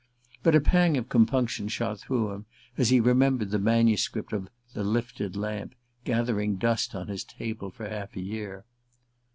But a pang of compunction shot through him as he remembered the manuscript of "The Lifted Lamp" gathering dust on his table for half a year.